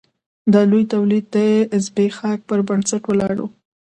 دا لوی تولید د ځبېښاک پر بنسټ ولاړ و.